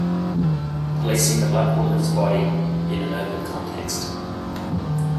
Policing the Black Woman's Body in an Urban Context.